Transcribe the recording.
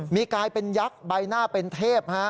มีกลายเป็นยักษ์ใบหน้าเป็นเทพ